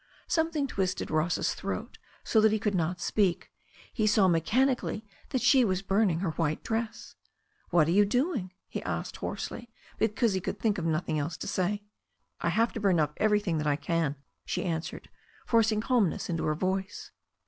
Something twisted Ross's throat so that he could not speak. He saw mechanically that she was burning her white dress. "What are you doing?" he asked hoarsely, because he could think of nothing else to say. "I have to burn everything up that I can," she answered,, forcing calmness into her voice.